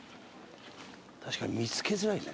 確かに見つけづらいね。